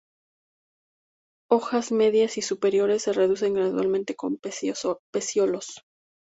Hojas medias y superiores se reducen gradualmente con pecíolos.